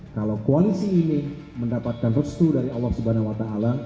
kalau koalisi ini mendapatkan restu dari allah swt